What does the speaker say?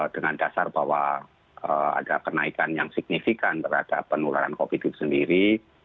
dengan dasar bahwa ada kenaikan yang signifikan terhadap penularan covid itu sendiri